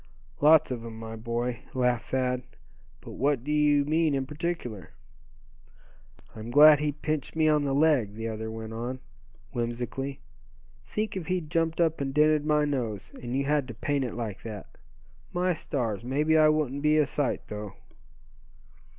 "Lots of 'em, my boy," laughed Thad. "But what do you mean in particular?" "I'm glad he pinched me on the leg," the other went on, whimsically. "Think if he'd jumped up and dented my nose, and you had to paint it like that! My stars! mebbe I wouldn't be a sight though."